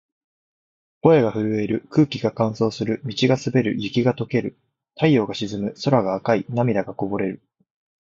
声が震える。空気が乾燥する。道が滑る。雪が解ける。太陽が沈む。空が赤い。涙が溢れる。